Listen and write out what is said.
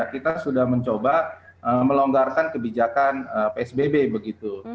kita sudah mencoba melonggarkan kebijakan psbb begitu